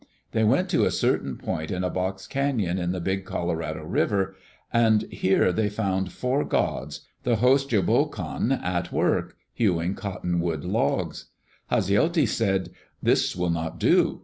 They went to a certain point in a box canon in the Big Colorado River and here they found four gods, the Hostjobokon, at work, hewing cottonwood logs. Hasjelti said, "This will not do.